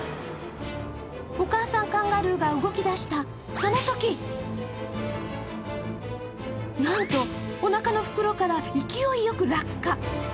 お母さんカンガルーが動き出した、そのときなんと、おなかの袋から勢いよく落下。